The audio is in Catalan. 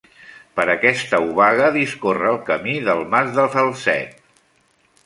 Per aquesta obaga discorre el Camí del Mas de Falset.